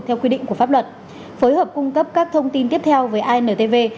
theo quy định của pháp luật phối hợp cung cấp các thông tin tiếp theo với intv